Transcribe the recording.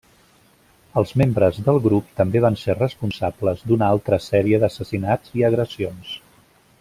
Els membres del grup també van ser responsables d'una altra sèrie d'assassinats i agressions.